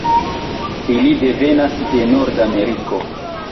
Ili devenas de Nordameriko.